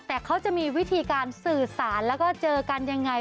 แต่เขาจะมีวิธีการสื่อสารแล้วก็เจอกันยังไง